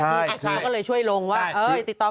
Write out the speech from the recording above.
จังหรือเปล่าจังหรือเปล่า